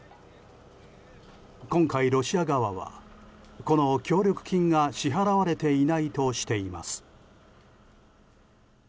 今回、ロシア側はこの協力金が支払われていないとしています。